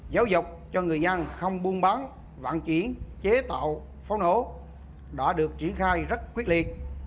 giáo dục cho người nhân không buôn bán vạn chuyển chế tạo pháo nổ đã được triển khai rất quyết liệt